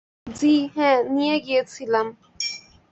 জ্বি হ্যাঁ, নিয়ে গিয়েছিলাম।